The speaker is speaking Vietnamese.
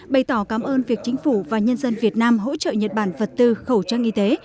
bày tỏ cảm ơn việc chính phủ và nhân dân việt nam hỗ trợ nhật bản vật tư khẩu trang y tế